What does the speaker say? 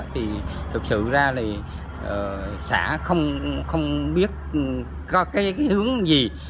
thì thực sự ra là xã không biết có cái hướng gì